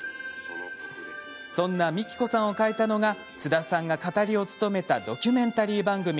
そんなみきこさんを変えたのが津田さんが語りを務めたドキュメンタリー番組。